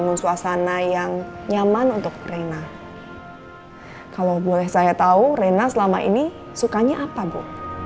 namun suasana yang nyaman untuk rena kalau boleh saya tahu rena selama ini sukanya apa bu